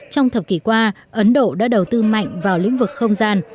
trong thập kỷ qua ấn độ đã đầu tư mạnh vào lĩnh vực không gian